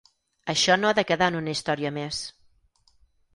Això no ha de quedar en una historia més.